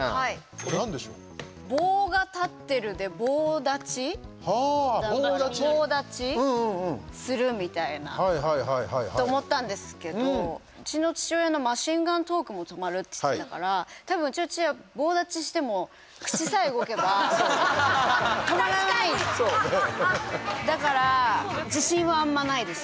これはなんでしょう？と思ったんですけどうちの父親のマシンガントークも止まるって言ったから多分うちの父親は棒立ちしてもだから、自信はあんまないです。